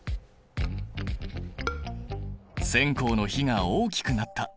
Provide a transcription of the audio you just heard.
線香の火が大きくなった。